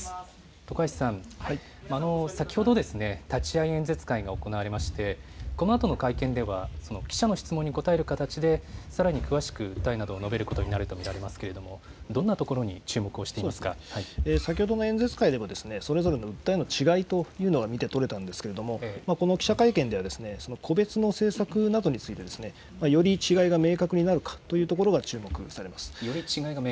徳橋さん、先ほどですね、立会演説会が行われまして、このあとの会見では、記者の質問に答える形で、さらに詳しく訴えなどを、詳しく述べることになると思いますけれども、どんなところに注目先ほどの演説会でもですね、それぞれの訴えの違いというのは見て取れたんですけれども、この記者会見では、個別の政策などについてですね、より違いが明確になるかというところが注目されます。